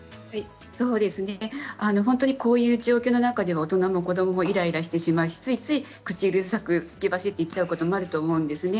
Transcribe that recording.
本当にこういう状況の中で大人も子どももイライラしてしまうしついつい口うるさく先走ってしまうことがあると思います。